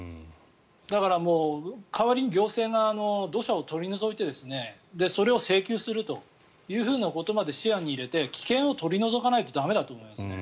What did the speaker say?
だから、代わりに行政側が土砂を取り除いてそれを請求するということまで視野に入れて危険を取り除かないと駄目だと思いますね。